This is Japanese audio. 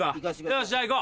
よしじゃあいこう。